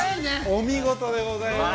◆お見事でございます。